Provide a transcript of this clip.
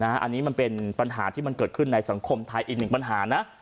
อันนี้มันเป็นปัญหาที่มันเกิดขึ้นในสังคมไทยอีกหนึ่งปัญหานะ